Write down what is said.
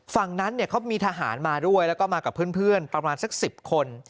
ฝั่งนั้นเขามีทหารมาด้วยแล้วก็มากับเพื่อนประมาณสัก๑๐คน